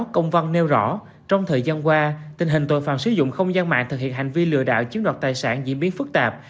công văn nêu rõ trong thời gian qua tình hình tội phạm sử dụng không gian mạng thực hiện hành vi lừa đảo chiếm đoạt tài sản diễn biến phức tạp